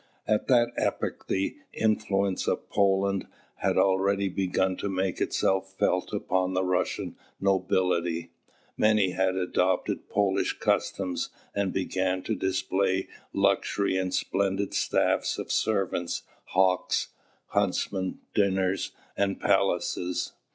At that epoch the influence of Poland had already begun to make itself felt upon the Russian nobility. Many had adopted Polish customs, and began to display luxury in splendid staffs of servants, hawks, huntsmen, dinners, and palaces.